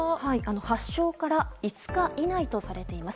発症から５日以内とされています。